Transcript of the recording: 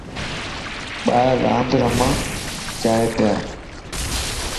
ٻار راند رهڻ جائي پيا.